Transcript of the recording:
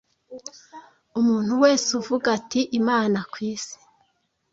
umuntu wese uvuga ati imana kwisi